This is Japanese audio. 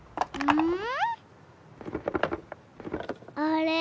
うん？